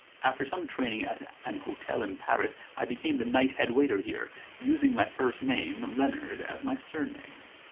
After some training at an hotel in Paris I became the night head waiter here, using my first name, Leonard, as my surname.